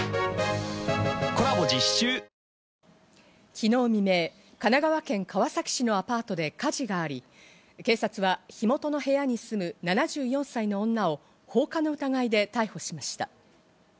昨日未明、神奈川県川崎市のアパートで火事があり、警察は火元の部屋に住む７４歳の女を放火の疑いで逮捕しました。